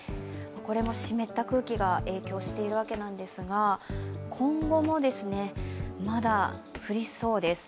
これも湿った空気が影響しているわけなんですが、今後もまだ降りそうです。